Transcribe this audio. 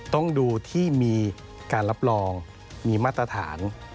ต้องดูที่มีการรับรองมีมาตรฐาน